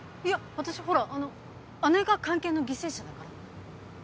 私ほらあの姉が菅研の犠牲者だから。